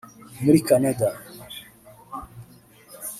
muri Canada